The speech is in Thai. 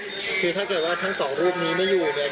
คือถ้าเกิดว่าทั้ง๒รูปนี้ไม่อยู่